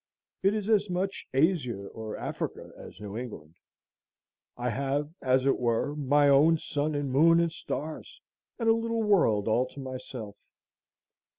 It is as much Asia or Africa as New England. I have, as it were, my own sun and moon and stars, and a little world all to myself.